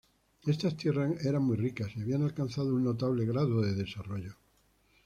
Estas tierras eran muy ricas y habían alcanzado un notable grado de desarrollo.